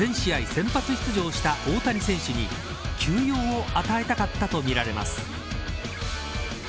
先発出場した大谷選手に休養を与えたかったとみられます。